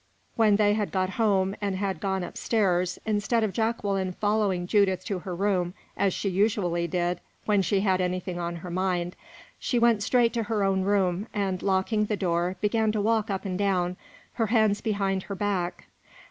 When they had got home and had gone up stairs, instead of Jacqueline following Judith to her room, as she usually did when she had anything on her mind, she went straight to her own room, and, locking the door, began to walk up and down, her hands behind her back.